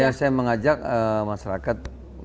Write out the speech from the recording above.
iya saya mengajak masyarakat